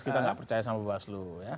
kita tidak percaya sama bawah selu